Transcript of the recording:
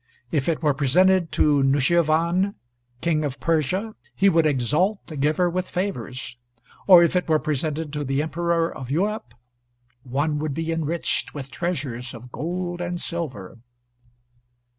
If it were presented to Nushirvan, King of Persia, he would exalt the giver with favors; or if it were presented to the Emperor of Europe, one would be enriched with treasures of gold and silver.